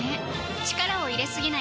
力を入れすぎない